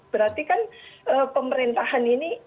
berarti kan pemerintahan ini